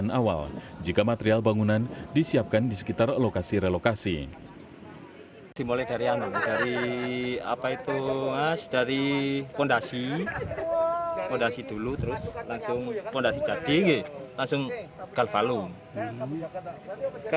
kalau ketahanannya termasuk lama